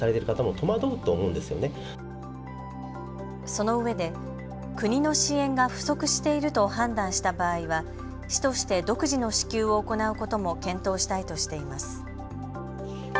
そのうえで国の支援が不足していると判断した場合は市として独自の支給を行うことも検討したいとしています。